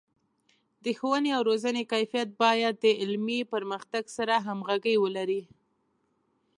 د ښوونې او روزنې کیفیت باید د علمي پرمختګ سره همغږي ولري.